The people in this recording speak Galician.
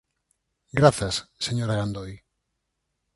Grazas, señora Gandoi.